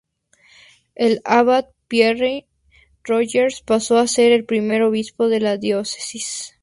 El abad Pierre Roger pasó a ser el primer obispo de la diócesis.